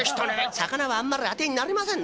魚はあんまり当てになりませんね。